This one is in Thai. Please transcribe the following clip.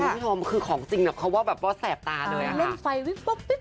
คุณผู้ชมคือของจริงเนี่ยเขาว่าแบบว่าแสบตาเลยอ่ะค่ะ